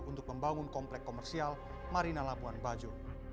untuk membangun komplek komersial marina labuan bajo